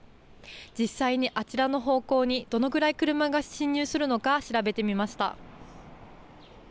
実際にあちらの方向にどのくらい車が進入するのか調べてみました。